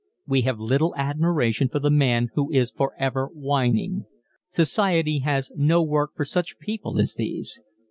We have little admiration for the man who is forever whining. Society has no work for such people as these.